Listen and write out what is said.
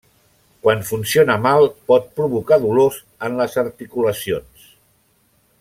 Quan funciona mal, pot provocar dolors en les articulacions.